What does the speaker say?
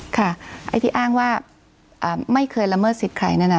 ไอ้ที่อ้างว่าไม่เคยละเมิดสิทธิ์ใครนั่นน่ะ